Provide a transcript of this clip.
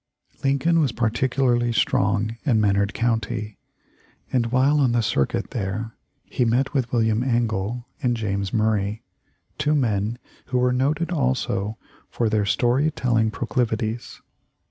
Lincoln was particularly strong in Menard county, and while on the circuit there he met with William Engle and James Murray, two men who were noted also for their story telling proclivities.